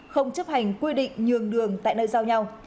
không chấp hành quy định nhường đường tại nơi giao nhau